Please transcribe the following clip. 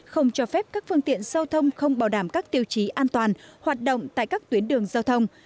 không cho phép các phương tiện giao thông không bảo đảm các tiêu chí an toàn hoạt động tại các tuyến đường giao thông